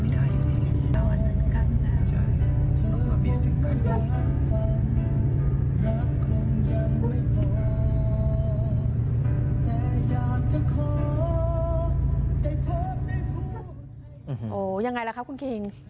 อร์โหแยงไงล่ะครับคุณคีง